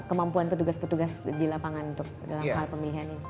kemampuan petugas petugas di lapangan untuk dalam hal pemilihan ini